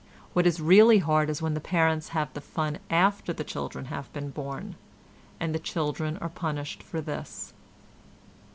What is really hard is when the parents have the fun after the children have been born, and the children are punished for this.